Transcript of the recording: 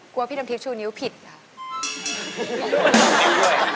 กลัวพี่น้ำทิพย์ชูนิ้วผิดค่ะ